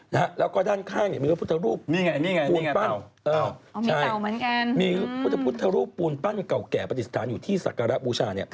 แล้วก็ด้านข้างมีพุทธรูปปูนปั้นเก่าแก่ปฏิสถานอยู่ที่สักการะบูชา